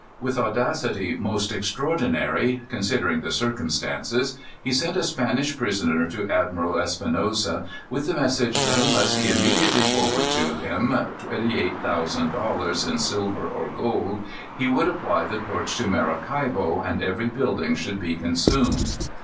With audacity most extraordinary, considering the circumstances, he sent a Spanish prisoner to Admiral Espinosa, with the message that unless he immediately forwarded to him twenty eight thousand dollars, in silver or gold, he would apply the torch to Maracaibo, and every building should be consumed.